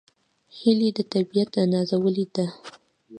هیلۍ د طبیعت نازولې ده